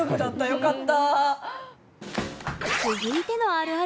よかった。